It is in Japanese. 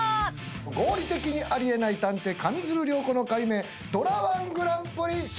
『合理的にあり得ない探偵・上水流涼子の解明』ドラ−１グランプリ勝者は？